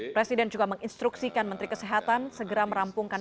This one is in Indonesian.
presiden juga menginstruksikan menteri kesehatan segera merampungkan